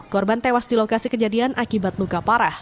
korban tewas di lokasi kejadian akibat luka parah